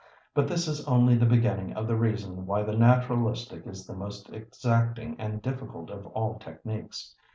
But this is only the beginning of the reason why the naturalistic is the most exacting and difficult of all techniques.